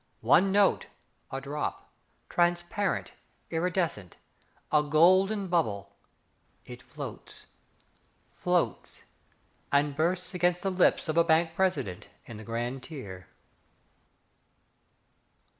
One note, A drop: transparent, iridescent, A gold bubble, It floats... floats... And bursts against the lips of a bank president In the grand tier.